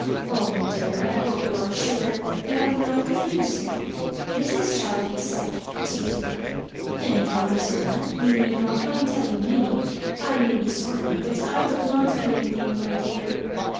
Oh, my dear, I hope you are sure you have not refused him," Mrs. Chiley said, piteously ;" anyhow, Lucilla, you need not mind telling me. I may be sorry, but I will not blame you, my dear."